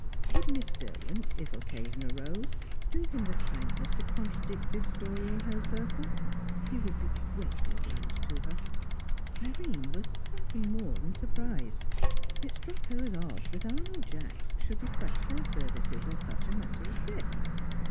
Would Miss Derwent, if occasion arose, do him the kindness to contradict this story in her circle? He would be greatly obliged to her. Irene was something more than surprised. It struck her as odd that Arnold Jacks should request her services in such a matter as this.